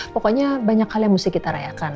pokoknya banyak hal yang mesti kita rayakan